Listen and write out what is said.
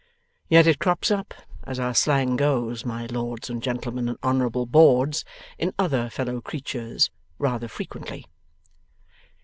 Yet it 'crops up' as our slang goes my lords and gentlemen and honourable boards, in other fellow creatures, rather frequently!